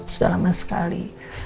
sudah lama sekali